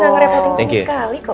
gak ngerepoting sama sekali kok